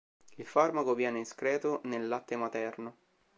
Il farmaco viene escreto nel latte materno.